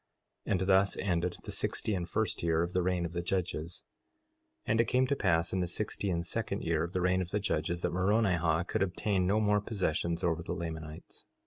4:17 And thus ended the sixty and first year of the reign of the judges. 4:18 And it came to pass in the sixty and second year of the reign of the judges, that Moronihah could obtain no more possessions over the Lamanites.